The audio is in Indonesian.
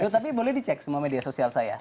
tapi boleh dicek semua media sosial saya